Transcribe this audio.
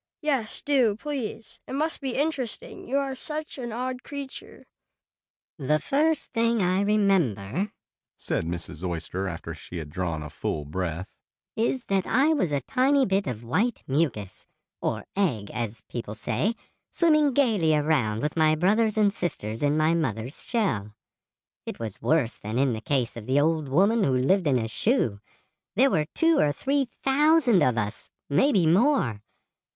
"Yes, do, please. It must be interesting. You are such an odd creature." "The first thing I remember," said Mrs. Oyster after she had drawn a full breath, "is that I was a tiny bit of white mucus, or egg, as people say, swimming gayly around with my brothers and sisters in my mother's shell. It was worse than in the case of the old woman who lived in a shoe. There were two or three thousand of us—maybe more.